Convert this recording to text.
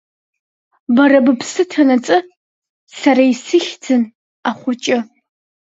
Бара быԥсы ҭанаҵы, сара исыхьӡын ахәыҷы.